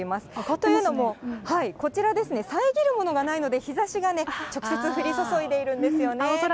というのも、こちら、遮るものがないので、日ざしが直接、降り注いでいるんですよね。